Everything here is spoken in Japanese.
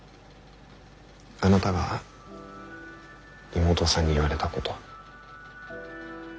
あなたが妹さんに言われたこと。